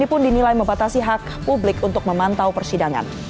hukuman ini juga menilai membatasi hak publik untuk memantau persidangan